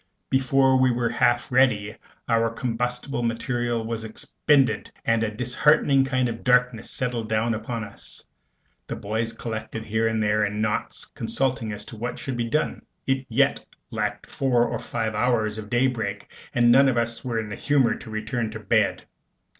Before we were half ready, our combustible material was expended, and a disheartening kind of darkness settled down upon us. The boys collected together here and there in knots, consulting as to what should be done. It yet lacked four or five hours of daybreak, and none of us were in the humor to return to bed.